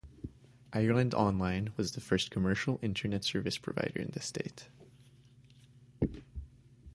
Ireland On-line was the first commercial internet service provider in the state.